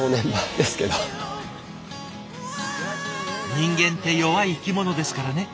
人間って弱い生き物ですからね。